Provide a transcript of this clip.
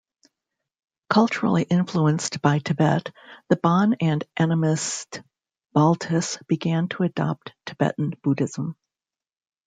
Culturally influenced by Tibet, the Bon and animist Baltis began to adopt Tibetan Buddhism.